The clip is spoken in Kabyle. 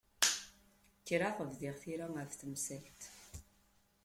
Kkreɣ bdiɣ tira ɣef temsalt.